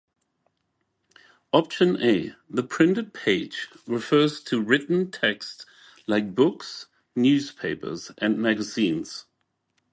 Option A, the printed page, refers to written texts like books, newspapers, and magazines.